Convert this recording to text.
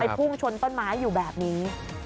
พุ่งชนต้นไม้อยู่แบบนี้